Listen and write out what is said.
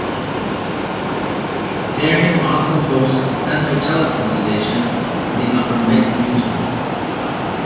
Bteghrine also hosts the central telephone station for the upper Metn region.